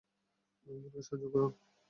উমরকে সাহায্য করুন।